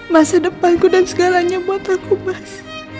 masa depanku dan segalanya buat aku mas